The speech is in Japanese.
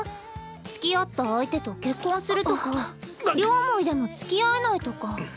「つきあった相手と結婚する」とか「両思いでもつきあえない」とか。